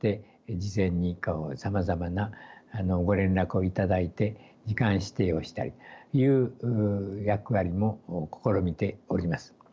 事前にさまざまなご連絡を頂いて時間指定をしたりという役割も試みております。